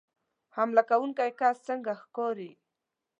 حمله کوونکی کس څنګه ښکاري